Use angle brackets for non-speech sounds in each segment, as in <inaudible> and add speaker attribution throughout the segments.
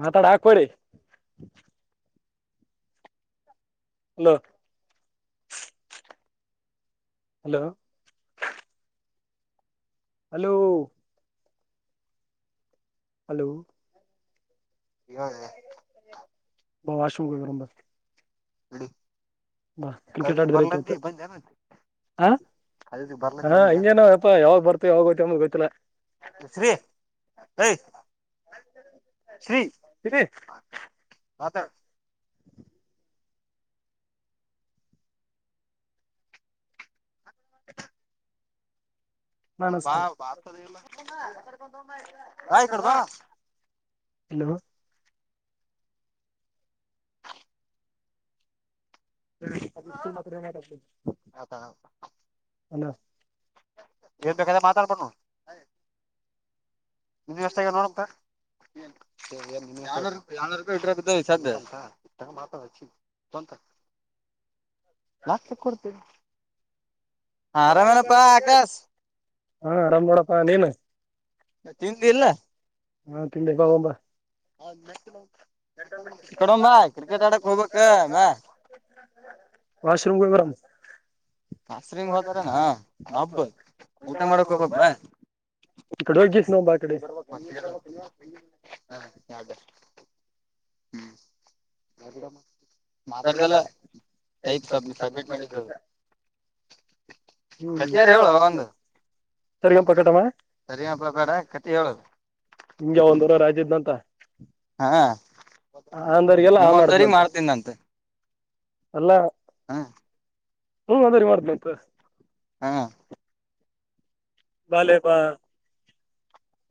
Speaker 1: ಮಾತಾಡ ಹಾಕ್ಭೇಡಿ hello hello hello hello
Speaker 2: ಇಗ
Speaker 1: ಬೌ ಆ ಶು ಕ ಬರ ಬರ್
Speaker 2: ಎಡು
Speaker 1: ಬಾ ಕ್ರಿಕೆಟ್ ಆಡಿದ್ರ ಇತ ಅಂತ ಹ ಹ ಇನೇನೋ ಯಪ್ಪ ಯಾವಾಗ ಬರ್ತ ಯಾವಾಗ ಗೊತ್ತ ಗೊತ್ತ ಕಲ
Speaker 2: ಸರಿ ಶ್ರೀ
Speaker 1: ಇರಿ
Speaker 2: ಮಾತಡು
Speaker 1: ನಮಸ್ತೆ ಆಯತ ಹಲೋ ಹ
Speaker 2: ಹೌದ ಹೌ
Speaker 1: ಅಲ್ಲ
Speaker 2: ಏನ್ ಬೇಕಾದ್ರೆ ಮಾತಾಡ್ಬವು ಹ ನಿ ವ್ಯವಸ್ಥ ಆ ನೋಡಕ್ ಏನ್ ಸಏನ್ ನೀ ಯ ಯಾವೂಪ ಇಡ್ರಧ್ಯ ಅಂತ ಮಾತಾಡ ಸ್ಂತ ಲಾ ಕೊಡ್ತೀವಿ ಆರಾಮೇನಪ್ಪಾ ಆಕಾಶ್
Speaker 1: ಹಾ ಆರಾಮ್ ಮಾಡೋಪ್ಪ ನೀನು
Speaker 2: ತಿಂದಿ ಇಲ್ಲ
Speaker 1: ಹಾ ತಿಂದೆ ಬಾ ಹೋಗೋಣ ಬಾ
Speaker 2: ಕಡಮ್ಮ ಕ್ರಿಕೆಟ್ ಆಡಕ್ ಹೋಗ್ಬೇಕ ಮ
Speaker 1: ವಾಶ್ರೂಮ್ ಹೋಗಿ <inaudible>
Speaker 2: ಆಸ್ರಿಂಗ ಹೋತಾರನಾ ನ ಹಬ್ಬ ಊಟ ಮಾಡಕ್ ಹೋಗಬ್ಬ
Speaker 1: ಈ ಕಡೆ ಹೋಗೀ ನೋಂಬ ಸ ಕ ಸ ಕ <unintelligible>
Speaker 2: ಹ್ಮ್
Speaker 1: ಗೆಲ್ಲಯತ ಸ ಸ್ಮಿಟ್ ಮಾಡಸ ಯಾರ ಹೇಳುವ ಒಗಮ್ಮ ಹೇಳ ನಿಿಂಗೆ ಒಂದ್ುವರ ರಾಜ ಇದ್ದಂತ ಅಂದ್ರಿಗೆಲ್ಲ
Speaker 2: ಹೂ
Speaker 1: ಆ
Speaker 2: ಒಂದವರಿಗ್
Speaker 1: ಮಾಡುದ್ನಂತ ಅಲ್ಲ
Speaker 2: ಹಾ
Speaker 1: ಹ್ಮ ಅದರಿ ಮಾಡ್ತನಂತ
Speaker 2: ಹಾ
Speaker 1: ಬಾಾಲೆಬಾ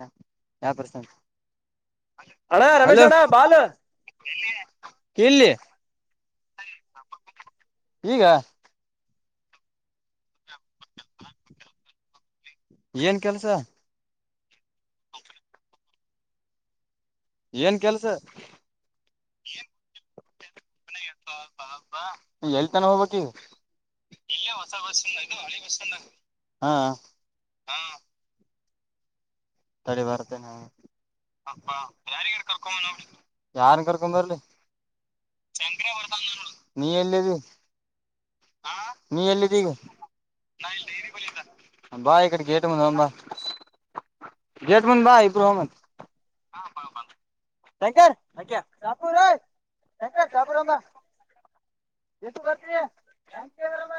Speaker 2: ಹ ಯಾವ ಪ್ರಸ
Speaker 1: ಅಣ್ಣ ರಮೇಶ್
Speaker 2: ಹಲೋ
Speaker 1: ಅಣ್ಣ ಬಾಲ್
Speaker 2: ಕಲ್ಲಿ ಈಗ ಏನ್ ಕೆಲ್ಸ ಏನ್ ಕೆಲ್ಸ ಎಳ್ತಾನ ಹೋಗ್ಬೇಕ ತಡೆ ಬರ್ತೆೇನೆ ಯಾರ್ ಕರ್ಕೊ ಬರ್ಲಿ ನೀ ಎಲ್ಲ ನೀ ಎಲ್ಲಿ ಬಾ ಈಕಡೆ ಗೇಟ ಮು ಗೇಟ್ಮಂದ ಬ ಇಬ್ರೂಹ ಶಕ ಚಪ ಶ ಚಪೂರ ರ ಆರಮ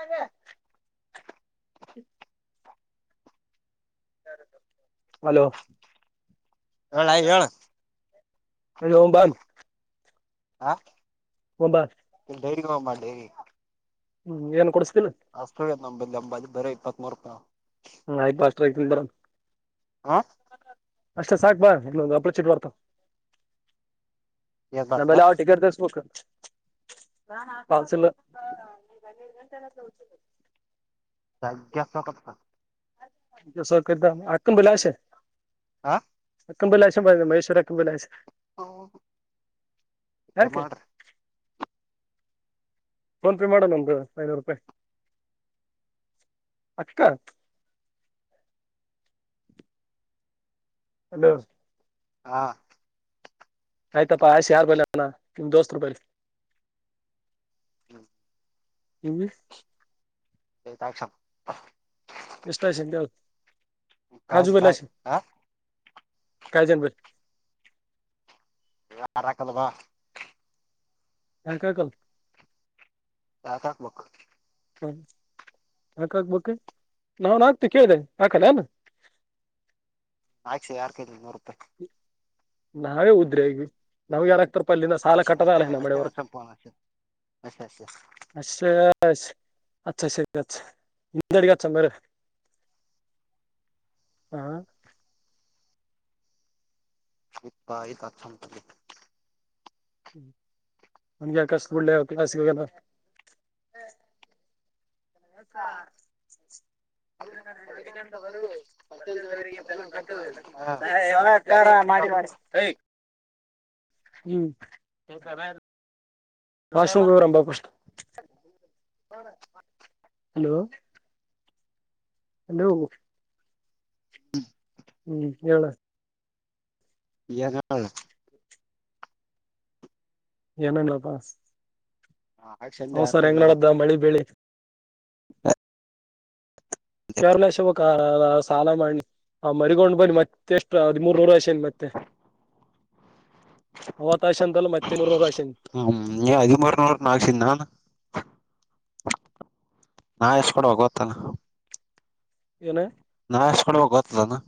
Speaker 1: ಹಲೋ
Speaker 2: ಹ ಹೇಳಣ
Speaker 1: ಅ ಮ ಬನ್
Speaker 2: ಹಾ ಡೈರಿಮ್ಮ ಡೈರಿ
Speaker 1: ಹ್ಮ್ ಏನ್ ಕೊಡ್
Speaker 2: ಅಷ್ಟ ನಂಬ ಎಂಬ ಬರ ಇಪ್ಪತ್ತು ಬರ್ಪಾ
Speaker 1: ಹ ಹ ಪಾಸ್ಟರ್ಕ ಬರ
Speaker 2: ಹ
Speaker 1: ಅಷ್ಟ ಸಾಕ್ ಬಾ ಇೊ ಅಪ್ರ ಚಿಟ್ ಬರ್ತ ನ ಭಲೆ ಅವ ಿಕೆಟ್ ದಸಬೇಕುಕ ಪಾಸ್ ಇಲ್ಲ
Speaker 2: ಸಕ
Speaker 1: ಸೊಕದ ಆಕಮ ಬಲಾವಸ
Speaker 2: ಹಾ
Speaker 1: ಕಂಂಬಲಾಷ ಬ ಮಹೇಶ್ವರ ಅಂಂಬಲಾ್ ಯಾಕೆ
Speaker 2: ಮಾಡ್ರಿ
Speaker 1: ಫೋನ್ ಪೇ ಮಾಡೋಣ ನಮ್ದ ಐನೂರು ರೂಪಾಯಿ ಅಕ್ಕಕ್ಕ ಅಲ
Speaker 2: ಹಾ
Speaker 1: ಆಯ್ತಪ್ಪಾ ಆಯ್ಸ ಯಾರು ಬಲಿ ಅಣ್ಣ ನಿಮ ದೋಸ್ ರ ಬಲ್
Speaker 2: ಹ್ಮ
Speaker 1: ಇಂಗ್
Speaker 2: ತಾಕ್ಷ
Speaker 1: ಎಷ್ಟ ಆಸ ಕಾಜು ಬೆಲ್ಲಸ ಕಾಯ ಜನ್ಬ
Speaker 2: ಯಾರಾಕಲ್ಲವಾ
Speaker 1: ಹ್ಯಾಂಕಾಕಲ್
Speaker 2: ಯಾಕ ಹಾಕ್ಬೇಕು
Speaker 1: ಹ್ಮ ಹಾಕಾಕ್ಬೇಕಕ್ು ನಾವನ್ ಹಾಕ್ತಿ ಕೇಳಿದೆ ಹಾಕಲ್ಲ ಅನ್
Speaker 2: ಆಯ್ಸು ಯಾರ್ ಕೈ ನ
Speaker 1: <inaudible> ನಾವೇ ಉದ್ರಿ ಆಗವಿ ನಾವ್ ಯಾರಾಗಗ್ತರ್ ಪಲ್ಲಿಿಂದ ಸಾಲ ಕಟ್ಟದ ಅಲ್ಲ ನಮ್ಮ ವರ್ಕ್ ಅ ಅಾ ಸರಿ ನಿಡೆಿಗೆ ಮರ ಹಾ
Speaker 2: ಇತ ಆಯ್ತಾ ಚಂತ
Speaker 1: ನನ್ಗೆ ಯಕಷ್ಟಡ್ ಕ್ಲಾಸಲ್ಲ ಅಭಿನಂದ ಬರು ಬರಿಗೆ ಹ್ಮ್ ಶವ ರಂಬಷ ಹಲೋ ಅಲ್ಲ ಹೋಗ
Speaker 2: ಹ್ಮ್
Speaker 1: ಹ್ಮ್ ಹೇಳ
Speaker 2: ಎಾಗಳ
Speaker 1: ಏನ್ಣಪಾ ಹೌ್ ಸರ್ ಹೆಂಗ್ ನಡ್ದ ಮಳಿ ಬಳಿ
Speaker 2: ಹ
Speaker 1: ಕೇರಳ ಶವ ಸಾಲ ಮಾಡಿ ಮರಿಗೊಂಡ್ ಬನ್ನಿ ಮತ್ತೆ ಮತ್ತೆಷ್ಟ ಅದ್ ಮೂರ್ನೂರುಯಷನ್ ಮತ್ತೆ ಅವತ್ತಾಯಷ ಅಂತಲ್ಲ ಮತ್ತೆ ಮೂರ್ನೂರು ಆಯಷ ನ್
Speaker 2: ನಾ ಎಷ್ಟ ಕೊಡುವಾಗತ್ತಲ್ಲ
Speaker 1: ಏನ
Speaker 2: ನಸ್ಕ ಗ ಇಲ್ಲನಾ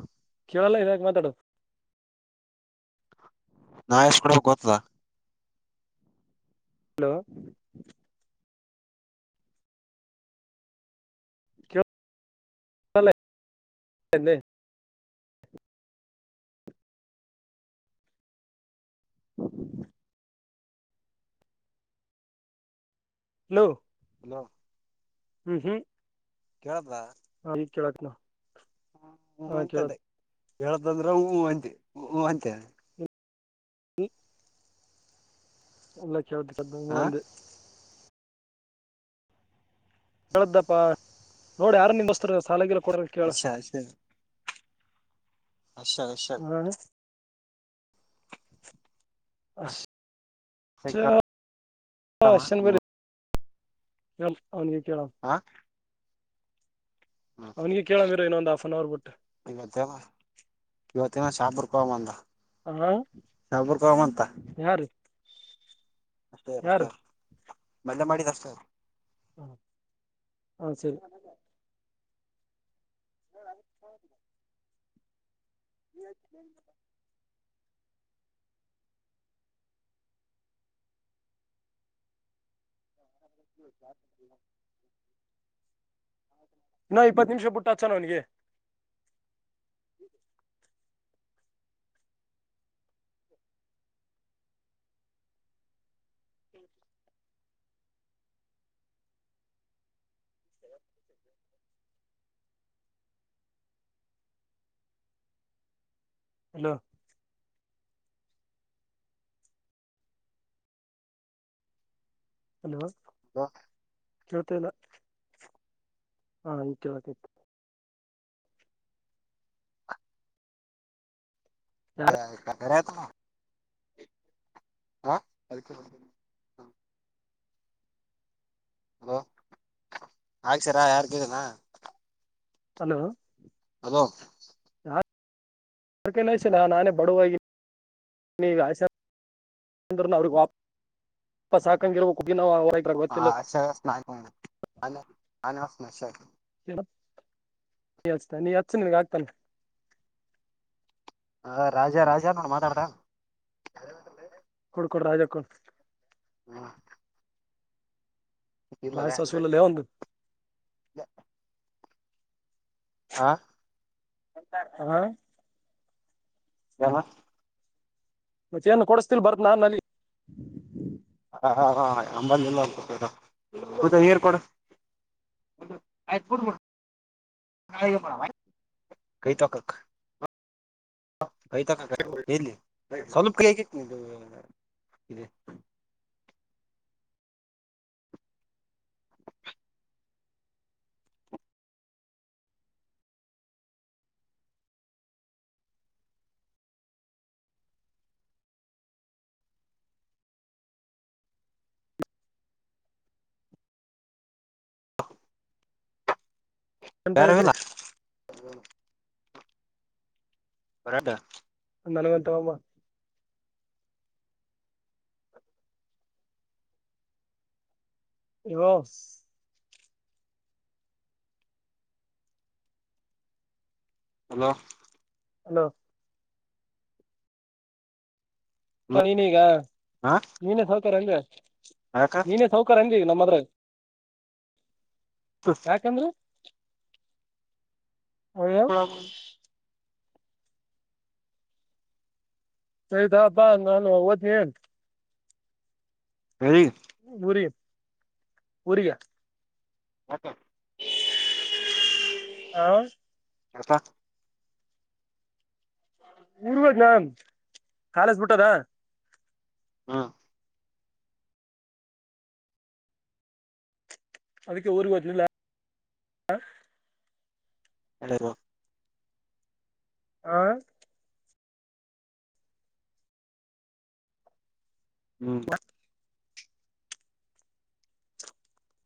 Speaker 1: ಕೇಳಲ್ಲ ಇದ ಮಾತಾಡು
Speaker 2: ನಾ ಎಷ್ಟಕಡಬೇಕಕ್ ಗೊತದ
Speaker 1: ಹಲೋ ಹಲ ಹ್ಮ ಹ್ಮ್ಮ ಹಲೋ
Speaker 2: ಹಲ್ಲ
Speaker 1: ಹ್ಮ ಹ
Speaker 2: ಕೇಳದ
Speaker 1: ಹ ಈ ಕೆಳಕ್ನ
Speaker 2: ಹಾ ಅಂತದ ಹೇತಂದ್ರ ಹವಂತೆ ಹ ಅಂತೆ
Speaker 1: ಹ ಒಲ್ಲ ಕೆಳ್ ಅ ಹೇಳ್ದಪ್ಪ ನೋಡಿ ಯಾರು ನಿನ್ರ ಸಾಲಾಗಿ
Speaker 2: ಅ ಅ ಅ ಅಷಾ
Speaker 1: ಅ ಹಷನ ಬರಿ ಹ ಅವನಿಗೆ ಕೇಳ ಅವನಿಗೆ ಕೇಳ ಮೀರ ಇನ್ನೊಂದ್ ಆಾಫ್ ಅನ್ ಅವರ್ ಬಿಟ್ಟು
Speaker 2: <unintelligible> ಬಂದ
Speaker 1: ಹಾ ಯಾರೀ
Speaker 2: ಅಷ್ಟೇ ಅಷ್ಟೇ ಮದೆ ಮಾಡಿದ ಅಷ್ಟ
Speaker 1: ಹ ಹ ಸರಿ ಸ <unintelligible> ಯ <unintelligible> ನಾ ಇಪ್ಪತ್ತು ನಿಮಿಷ ಪುಟ್ಟಚ್ಚಾನ ಅವನಿಗೆ ಹಲೋ ಹಲೋ
Speaker 2: ಹ
Speaker 1: ಜೊತೆಲ್ಲ ಹಾ ಇಚ ಆತತ್ತು ಯಾರ
Speaker 2: ಹರತ ಹಾ ಅ ಅಲೋ ಹಗ್ಸರಾ ಯಾರ್ದೀರನಾ
Speaker 1: ಹಲೋ
Speaker 2: ಅಲೋ
Speaker 1: ಹ ನಾನೇ ಬಡವಾಗಿ ಅವ್ರಿಗೆ ವಾಪಸ್ ಹಕಂಗಿರ್ಬೇಕಗ್ಗ ನ
Speaker 2: ಹಾಷ್ಟಸ್ಕ ಅ ಹಾನಸ್ ನ ಶ
Speaker 1: ನೀಚ್ ನೀ ಹಚ್ಚ ನಿಮಗ ಆಗ್ತಲ್ಲ
Speaker 2: ಹ ರಾಜ ರಾಜ ನೋಡ ಮಾತಾಡ್ರ ಅದಲ್ಲೆ
Speaker 1: ಕೊಡ್ಕೊಡ್ರ ಅಕ್ಕ
Speaker 2: ಹ್ಮ
Speaker 1: ಬಾಯ ಸಸವಲ್ಲ ಲಯಂಗ
Speaker 2: ಹಾ
Speaker 1: ಹಾ.
Speaker 2: ಯಲ್ಲ.
Speaker 1: ಮತ್ತೆೇಏನ್ ಕೊಡಸ್ತಿಲ್ ಬರತ್ ನಾಾನಲ್ಲಿ.
Speaker 2: ಹಾ ಅಂಬಂದ ಎಲ್ಲತ. ದ ನೀರ್ ಕೊಡ. ಕತಕ. ಕತ ಸ್ವಲ್ಪ ಕ ಇ.
Speaker 1: ಎಂತಗಕ್ರರಿ.
Speaker 2: ಬರಬ.
Speaker 1: ಅ ನಳ ಮ ತಾಮ. ಇವ.
Speaker 2: ಹಲೋ.
Speaker 1: ಹಲೋ. ಅಪ್ಪ ನೀನೀಗ ನೀನೇ ಸೌಕಾರ ಅಂದ್ರೆ. ನೀನೇ ಸೌಕರ. ನಮ್ಮದ್ರ. ಯಾ ಕೆಮ್ಮರ. ಹೌ. ಸಯದಾ ಹಬ್ಬಾ ನಾನು ಹದನಿ ಏನ್.
Speaker 2: ಹ.
Speaker 1: ಮುರಿ ಮುರಿಯ.
Speaker 2: ಹತ.
Speaker 1: ಹಾ.
Speaker 2: ಹತ.
Speaker 1: ಊರ್ವದ್ ನನ್ ಕಾಲೇಜ್ ಬಿಟ್ಟದ.
Speaker 2: ಹಾ.
Speaker 1: ಅದಕ್ಕೆ ಉರಿ ಹೊಂಟ್ರಲ್ಲ.
Speaker 2: ಎಡಮ.
Speaker 1: ಆ.
Speaker 2: ಹ್ಮ್.